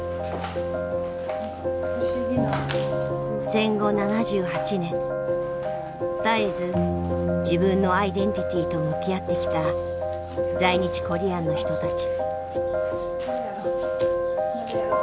戦後７８年絶えず自分のアイデンティティーと向き合ってきた在日コリアンの人たち。